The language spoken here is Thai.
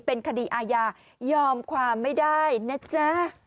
เป็นคดีอาญายอมความไม่ได้นะจ๊ะ